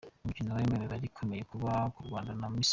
Ni umukino warimo imibare ikomeye haba ku Rwanda na Misiri